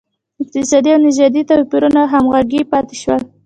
اقتصادي او نژادي توپیرونه همغږي پاتې شول.